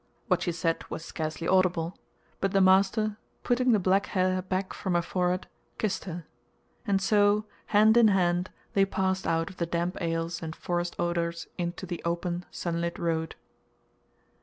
What she said was scarcely audible, but the master, putting the black hair back from her forehead, kissed her; and so, hand in hand, they passed out of the damp aisles and forest odors into the open sunlit road.